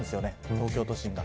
東京都心が。